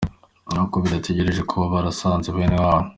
Avuga ko bidatangaje kuba barasanze bene wabo.